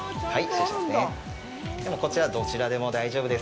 こちら、どちらでも大丈夫です。